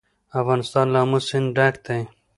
افغانستان له آمو سیند ډک دی.